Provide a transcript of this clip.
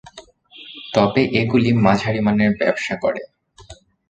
তবে এ গুলি মাঝারি মানের ব্যবসা করে।